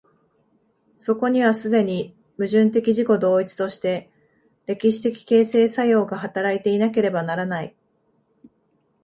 そこには既に矛盾的自己同一として歴史的形成作用が働いていなければならない。